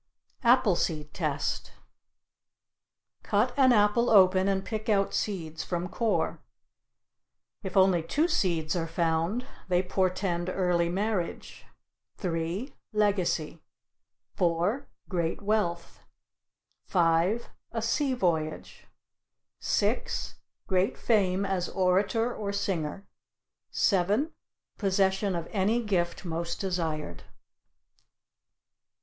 APPLE SEED TEST Cut an apple open and pick out seeds from core. If only two seeds are found, they portend early marriage; three, legacy; four, great wealth; five, a sea voyage; six, great fame as orator or singer; seven, possession of any gift most desired.